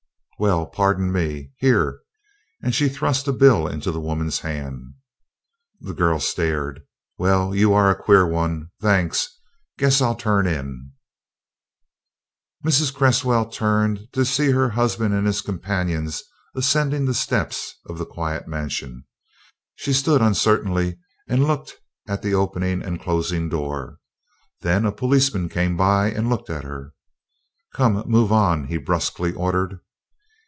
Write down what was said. "Well pardon me! Here!" and she thrust a bill into the woman's hand. The girl stared. "Well, you're a queer one! Thanks. Guess I'll turn in." Mary Cresswell turned to see her husband and his companions ascending the steps of the quiet mansion. She stood uncertainly and looked at the opening and closing door. Then a policeman came by and looked at her. "Come, move on," he brusquely ordered.